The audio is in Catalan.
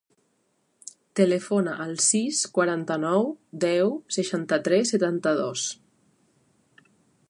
Telefona al sis, quaranta-nou, deu, seixanta-tres, setanta-dos.